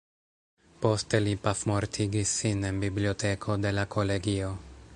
Poste li pafmortigis sin en biblioteko de la kolegio.